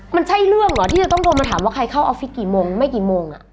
มันใช่เรื่องเหรอที่จะต้องโทรมาถามว่าใครเข้าออฟฟิศกี่โมงไม่กี่โมง